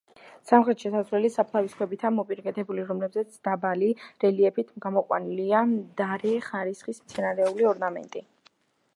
სამხრეთი შესასვლელი საფლავის ქვებითაა მოპირკეთებული, რომლებზეც დაბალი რელიეფით გამოყვანილია მდარე ხარისხის მცენარეული ორნამენტი.